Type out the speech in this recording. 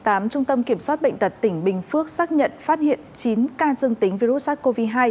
trung tâm kiểm soát bệnh tật tỉnh bình phước xác nhận phát hiện chín ca dương tính với virus sars cov hai